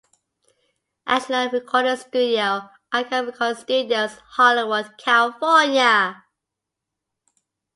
Additional Recording Studio - Icon Recording Studios, Hollywood, California.